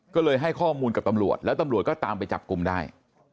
ก็เลยให้ข้อมูลกับตำรวจแล้วตำรวจก็ตามไปจับกลุ่มได้